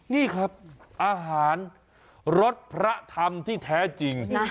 นี่ครับอาหารรสพระธรรมที่แท้จริง